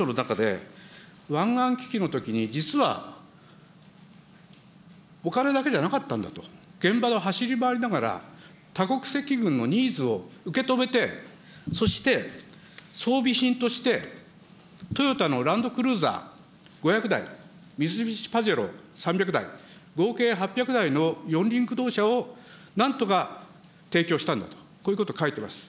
で、このおかもとさんは、この著書の中で、湾岸危機のときに、実はお金だけじゃなかったんだと、現場で走り回りながら、多国籍軍のニーズを受け止めて、そして、装備品としてトヨタのランドクルーザー５００台、三菱パジェロ３００台、合計８００台の四輪駆動車をなんとか提供したんだと、こういうことを書いています。